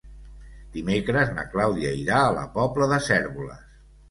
Dimecres na Clàudia irà a la Pobla de Cérvoles.